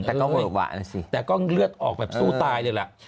แต่ก็เวอะวะนะสิแต่ก็เลือดออกแบบสู้ตายเลยล่ะ